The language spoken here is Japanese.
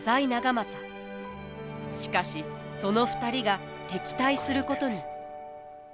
しかしその２人が敵対することに。